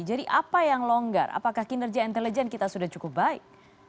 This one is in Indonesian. jadi apa yang longgar apakah kinerja intelijen kita sudah cukup baik